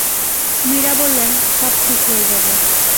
মীরা বললেন, সব ঠিক হয়ে যাবে।